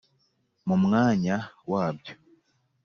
mu mwanya wabyo,